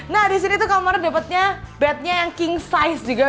nah di sini tuh kamarnya dapetnya bednya yang king size juga